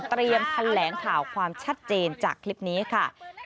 เตรียมแผ่นแหลงข่าวความชัดเจนจากคลิปนี้ค่ะ